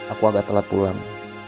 aku agak telat pulang